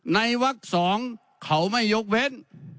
วัก๒เขาไม่ยกเว้น